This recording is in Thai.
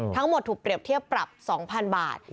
ทั้งหมดถูกเปรียบเทียบปรับ๒๐๐๐บาท